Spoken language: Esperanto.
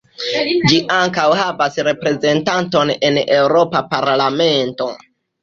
Ĝi ankaŭ havas reprezentanton en Eŭropa Parlamento.